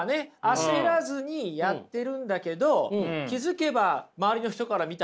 焦らずにやってるんだけど気付けば周りの人から見たらすごいと。